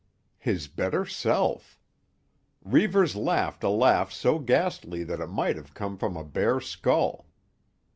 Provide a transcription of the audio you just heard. His better self! Reivers laughed a laugh so ghastly that it might have come from a bare skull.